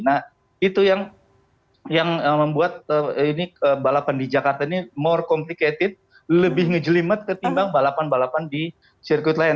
nah itu yang membuat ini balapan di jakarta ini more complicated lebih ngejelimet ketimbang balapan balapan di sirkuit lain